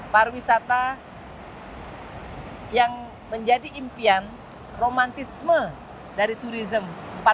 pariwisata yang menjadi impian romantisme dari turisme